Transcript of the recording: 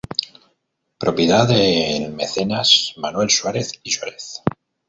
Propiedad del mecenas Manuel Suarez y Suarez